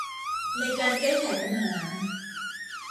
ในการแก้ไขปัญหา